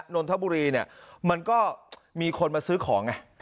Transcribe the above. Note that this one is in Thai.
นนนทบุรีมันก็มีคนมาซื้อของไง